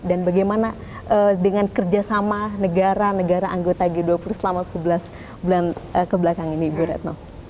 dan bagaimana dengan kerjasama negara negara anggota g dua puluh selama sebelas bulan kebelakang ini bu retno